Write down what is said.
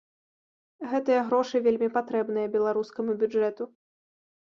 Гэтыя грошы вельмі патрэбныя беларускаму бюджэту.